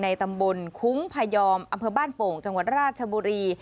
ตำบลคุ้งพยอมอำเภอบ้านโป่งจังหวัดราชบุรี